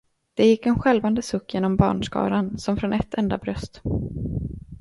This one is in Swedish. Det gick en skälvande suck genom barnskaran, som från ett enda bröst.